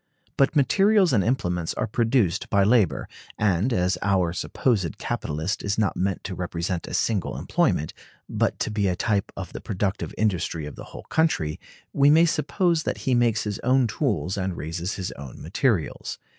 But materials and implements are produced by labor; and as our supposed capitalist is not meant to represent a single employment, but to be a type of the productive industry of the whole country, we may suppose that he makes his own tools and raises his own materials.